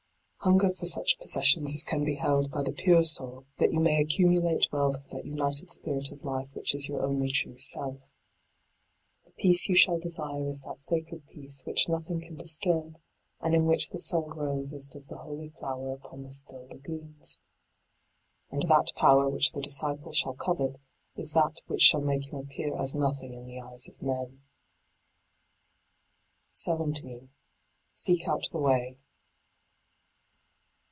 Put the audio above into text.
Hunger for such possessions as can be held by the pure soul, that you may accu mulate wealth for that united spirit of life which is your only true self. The peace you d by Google LIGHT ON THE PATH 9 shall desire is that sacred peace which nothing can disturb, and in which the soul grows as does the holy flower upon the still lagoons. And that power which the disciple shall covet is that which shall make him appear as nothing in the eyes of men. 17. Seek out the way.